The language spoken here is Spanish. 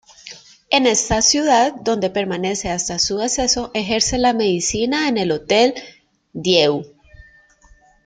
En esa ciudad, donde permanece hasta su deceso, ejerce la medicina en el Hôtel-Dieu.